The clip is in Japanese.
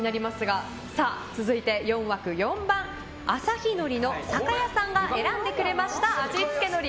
続いて、４枠４番朝日海苔の酒屋さんが選んでくれました味付のり。